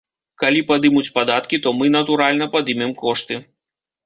Калі падымуць падаткі, то мы, натуральна, падымем кошты.